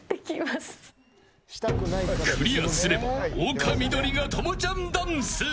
クリアすれば丘みどりが朋ちゃんダンス。